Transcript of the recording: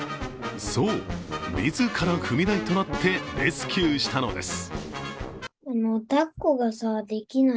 そう、自ら踏み台となってレスキューしたのです。